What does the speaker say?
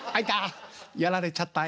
やられちゃったよ。